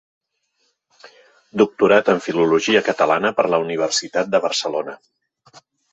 Doctorat en Filologia Catalana per la Universitat de Barcelona.